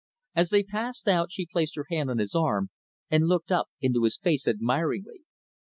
As they passed out, she placed her hand on his arm, and looked up into his face admiringly.